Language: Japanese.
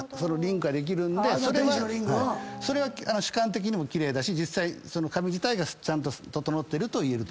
それは主観的にも奇麗だし実際その髪自体がちゃんと整ってるといえると思います。